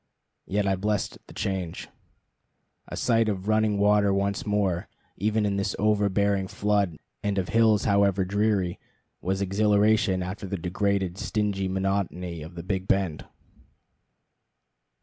Yet I blessed the change. A sight of running water once more, even of this overbearing flood, and of hills however dreary, was exhilaration after the degraded, stingy monotony of the Big Bend.